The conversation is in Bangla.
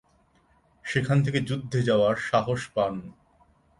সেখান থেকে যুদ্ধে যাওয়ার সাহস পান।